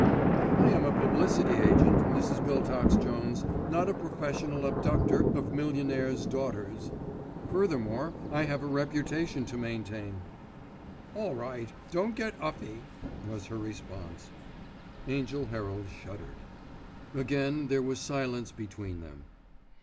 "I am a publicity agent, Mrs. Biltox Jones, not a professional abductor of millionaires' daughters. Furthermore I have a reputation to maintain." "All right, don't get 'uffy," was her response. Angell Herald shuddered. Again there was silence between them.